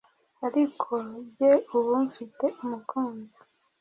ariko jye ubu mfite umukunzi